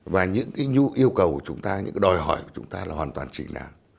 và những cái yêu cầu của chúng ta những cái đòi hỏi của chúng ta là hoàn toàn chính đáng